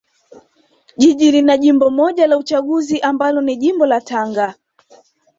Jiji lina jimbo moja la uchaguzi ambalo ni jimbo la Tanga